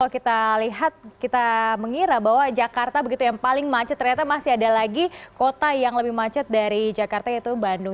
kita lihat kita mengira bahwa jakarta begitu yang paling macet ternyata masih ada lagi kota yang lebih macet dari jakarta yaitu bandung